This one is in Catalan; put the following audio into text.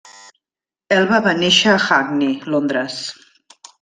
Elba va néixer a Hackney, Londres.